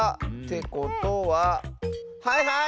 てことははいはい！